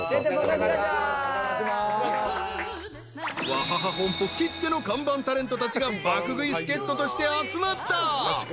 ［ワハハ本舗きっての看板タレントたちが爆食い助っ人として集まった］